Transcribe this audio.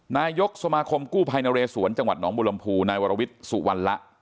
นายกสมาคมกู้ภัยนเรสวนจังหวัดหนองบุรมภูนายวรวิทย์สุวรรณละ